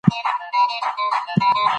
هر ماښام به وو